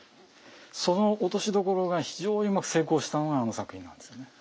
その落としどころが非常にうまく成功したのがあの作品なんですよね。